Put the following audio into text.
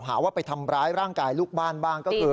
หาว่าไปทำร้ายร่างกายลูกบ้านบ้างก็คือ